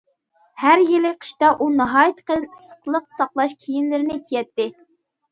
ھەر يىلى قىشتا ئۇ ناھايىتى قېلىن ئىسسىقلىق ساقلاش كىيىملىرىنى كىيەتتى.